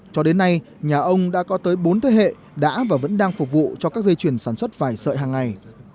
cho đến nay nhà ông đã có tới bốn thế hệ đã và vẫn đang phục vụ cho các dây chuyển sản xuất vải sợi hàng ngày